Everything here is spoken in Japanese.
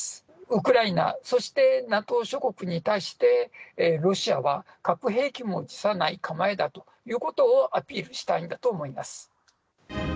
ウクライナ、そしてＮＡＴＯ諸国に対して、ロシアは核兵器も辞さない構えだということをアピールしたいんだと思います。